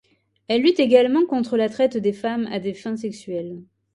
Elle lutte également contre la traite des femmes à des fins sexuelles.